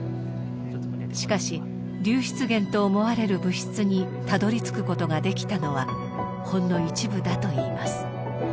しかし流出源と思われる物質にたどり着くことができたのはほんの一部だといいます。